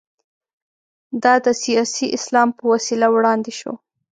دا د سیاسي اسلام په وسیله وړاندې شو.